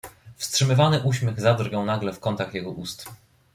"Wstrzymywany uśmiech zadrgał nagle w kątach jego ust."